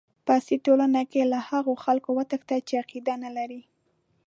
په عصري ټولنه کې له هغو خلکو وتښته چې عقیده نه لري.